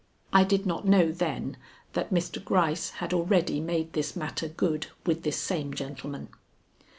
I did not know then that Mr. Gryce had already made this matter good with this same gentleman.